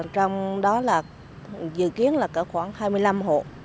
trong đó dự kiến là khoảng hai mươi năm hộ